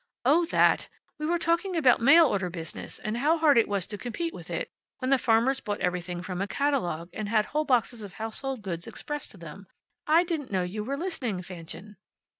"Oh, that! We were talking about the mail order business, and how hard it was to compete with it, when the farmers bought everything from a catalogue, and had whole boxes of household goods expressed to them. I didn't know you were listening, Fanchen."